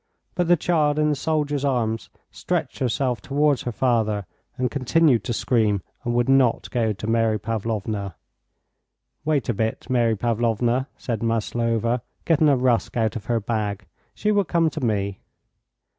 But the child in the soldier's arms stretched herself towards her father and continued to scream, and would not go to Mary Pavlovna. "Wait a bit, Mary Pavlovna," said Maslova, getting a rusk out of her bag; "she will come to me."